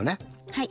はい。